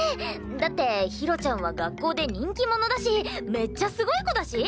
だってひろちゃんは学校で人気者だしめっちゃすごい子だし？